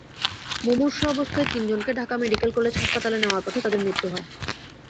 মুমূর্ষু অবস্থায় তিনজনকে Dhaka medical college হাসপাতালে নেওয়ার পথে তাঁদের মৃত্যু হয়।